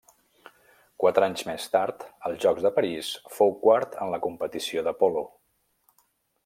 Quatre anys més tard, als Jocs de París fou quart en la competició de polo.